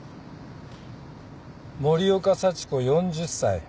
森岡幸子４０歳。